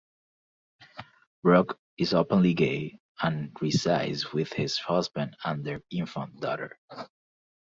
Bruck is openly gay and resides with his husband and their infant daughter.